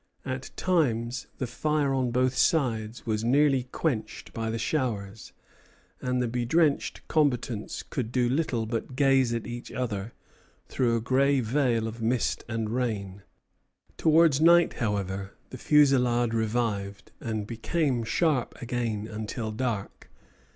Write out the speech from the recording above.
At times the fire on both sides was nearly quenched by the showers, and the bedrenched combatants could do little but gaze at each other through a gray veil of mist and rain. Towards night, however, the fusillade revived, and became sharp again until dark.